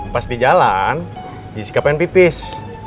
pas di jalan jessica pengen pipis